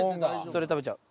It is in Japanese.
それ食べちゃう。